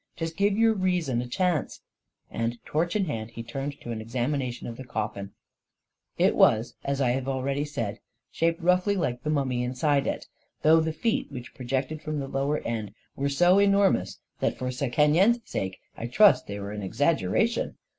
Just give your reason a chance !" And, torch in hand, he turned to an ex amination of the coffin. It was, as I have said already, shaped roughly like the mummy inside it — though the feet which pro jected from the lower end were so enormous that, for Sekenyen's sake, I trust they were an exaggera tion